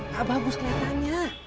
gak bagus keliatannya